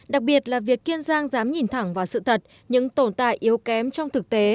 đặc biệt là việc kiên giang dám nhìn thẳng vào sự thật những tồn tại yếu kém trong thực tế